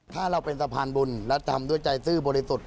ถ้าเราเป็นสะพานบุญแล้วทำด้วยใจซื่อบริสุทธิ์